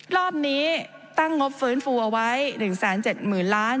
รอบนี้ตั้งงบฟื้นฟูเอาไว้๑๗๐๐๐ล้าน